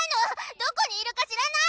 どこにいるか知らない？